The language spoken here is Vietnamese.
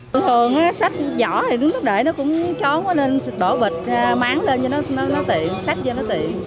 thường thường sách giỏ thì đúng lúc để nó cũng trốn quá nên đổ vịt mán lên cho nó tiện sách cho nó tiện